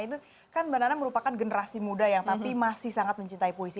itu kan mbak nana merupakan generasi muda yang tapi masih sangat mencintai puisi